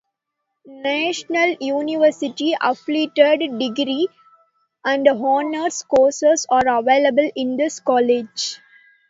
National University affiliated degree (pass) and honours courses are available in this college.